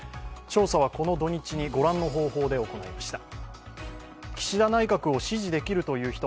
調査はこの土日に御覧の方法で行いました。